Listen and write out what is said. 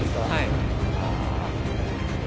はい。